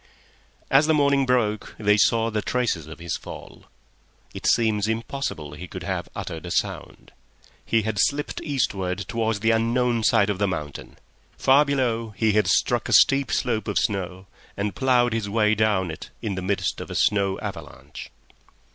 As the morning broke they saw the traces of his fall. It seems impossible he could have uttered a sound. He had slipped eastward towards the unknown side of the mountain; far below he had struck a steep slope of snow, and ploughed his way down it in the midst of a snow avalanche.